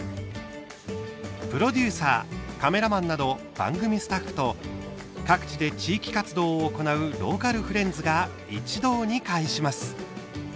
プロデューサー、カメラマンなど番組スタッフと各地で地域活動を行うローカルフレンズが一堂に会します。